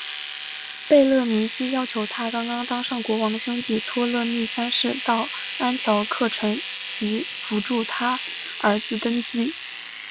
贝勒尼基要求她刚刚当上国王的兄弟托勒密三世到安条克城及扶助她儿子登基。